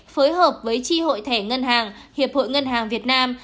phối hợp với tri hội thẻ ngân hàng hiệp hội ngân hàng việt nam